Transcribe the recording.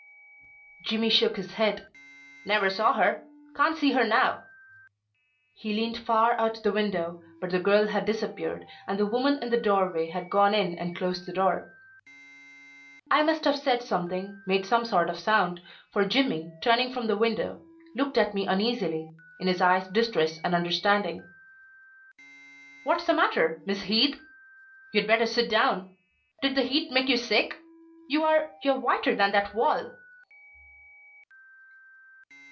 Jimmy shook his head. "Never saw her. Can't see her now." He leaned far out the window, but the girl had disappeared, and the woman in the doorway had gone in and closed the door. I must have said something, made some sort of sound, for Jimmy, turning from the window, looked at me uneasily, in his eyes distress and understanding. "What's the matter, Miss Heath? You'd better sit down. Did the heat make you sick? You're you're whiter than that wall."